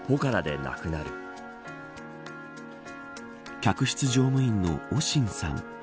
客室乗務員のオシンさん。